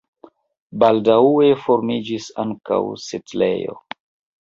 Baldaŭe formiĝis ankaŭ setlejo.